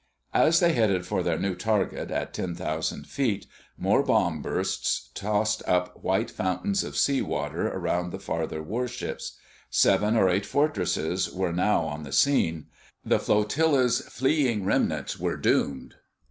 As they headed for their new target at ten thousand feet, more bomb bursts tossed up white fountains of sea water around the farther warships. Seven or eight Fortresses were now on the scene. The flotilla's fleeing remnants were doomed.